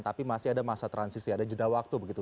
tapi masih ada masa transisi ada jeda waktu begitu